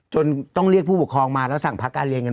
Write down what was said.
ต้องเรียกผู้ปกครองมาแล้วสั่งพักการเรียนกัน